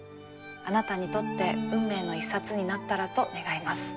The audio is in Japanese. あなたにとって運命の一冊になったらと願います。